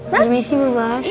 permisi mbak bas